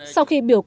sau khi biểu quyết